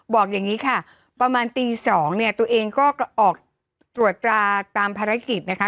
บอกอย่างนี้ค่ะประมาณตี๒เนี่ยตัวเองก็ออกตรวจตราตามภารกิจนะคะ